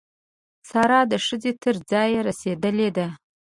سارا د ښځې تر ځایه رسېدلې ده.